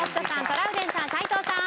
トラウデンさん斉藤さん